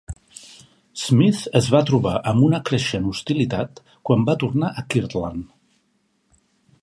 Smith es va trobar amb una creixent hostilitat quan va tornar a Kirtland.